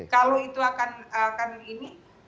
kalau itu akan